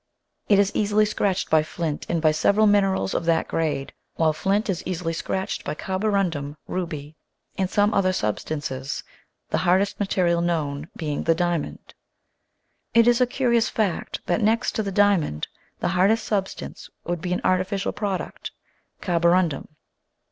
It is easily scratched by flint and by several minerals of that grade, while flint is easily scratched by carborundum, ruby, and some other substances the hardest material known being the diamond. It is a curious fact that, next to the diamond, the hardest substance should be an artificial product carborundum.